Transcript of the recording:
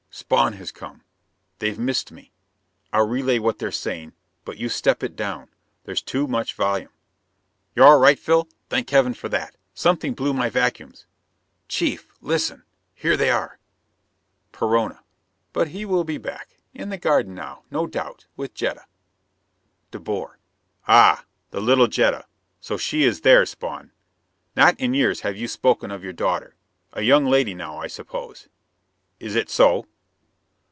Spawn has come! They've missed me! I'll relay what they're saying, but you step it down; there's too much volume." "You're all right, Phil? Thank Heaven for that! Something blew my vacuums." "Chief, listen here they are " Perona: "But he will be back. In the garden now, no doubt, with Jetta." De Boer: "Ah the little Jetta! So she is there, Spawn? Not in years have you spoken of your daughter. A young lady now, I suppose. Is it so?"